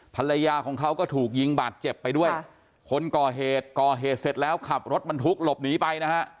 ภรรยาของเขาก็ถูกยิงบาดเจ็บไปด้วยคนก่อเหตุก่อเหตุเสร็จแล้วขับรถบรรทุกหลบหนีไปนะฮะ